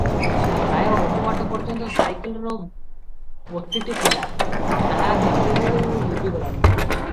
ପ୍ରାୟ ଅଳ୍ପ ବାଟ ପର୍ଯ୍ୟନ୍ତ ସାଇକେଲର ବତୀଟି ଥିଲା, ତାହା କେତେବେଳୁ ଲିଭିଗଲାଣି ।